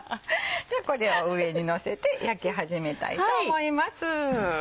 ではこれを上にのせて焼き始めたいと思います。